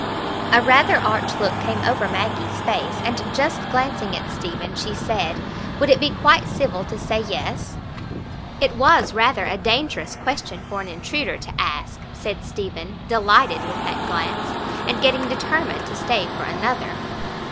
A rather arch look came over Maggie's face, and, just glancing at Stephen, she said, "Would it be quite civil to say 'yes'?" "It was rather a dangerous question for an intruder to ask," said Stephen, delighted with that glance, and getting determined to stay for another.